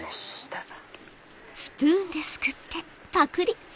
どうぞ。